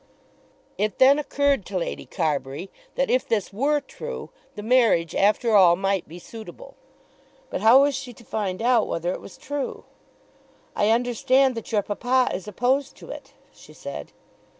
It then occurred to Lady Carbury that if this were true the marriage after all might be suitable. But how was she to find out whether it was true? "I understand that your papa is opposed to it," she said.